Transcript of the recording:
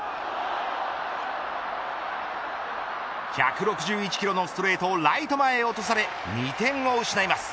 １６１キロのストレートをライト前へ落とされ２点を失います。